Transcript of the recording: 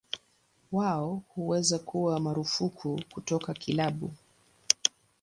Wao huweza kuwa marufuku kutoka kilabu.